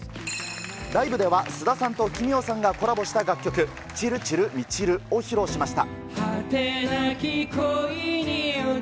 ライブでは菅田さんと奇妙さんがコラボした楽曲、散る散る満ちるを披露しました。